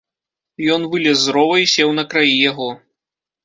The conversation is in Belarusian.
Ён вылез з рова і сеў на краі яго.